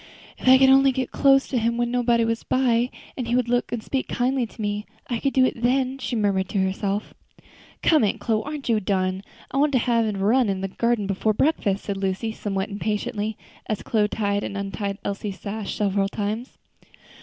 "If I could only get close to him when nobody was by, and he would look and speak kindly to me, I could do it then," she murmured to herself. "Come, Aunt Chloe, aren't you done? I want to have a run in the garden before breakfast," said Lucy, somewhat impatiently, as Chloe tied and untied Elsie's sash several times.